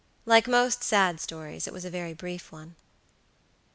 Like most sad stories it was a very brief one.